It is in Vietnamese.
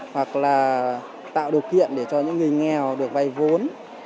hoặc là tạo điều kiện để cho những người nghèo được vay vốn